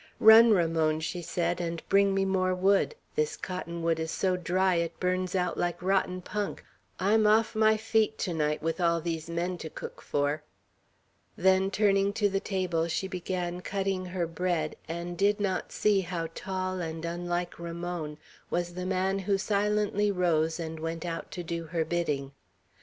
"Run, Ramon," she said, "and bring me more wood; this cotton wood is so dry, it burns out like rotten punk; I'm off my feet to night, with all these men to cook for;" then turning to the table, she began cutting her bread, and did not see how tall and unlike Ramon was the man who silently rose and went out to do her bidding.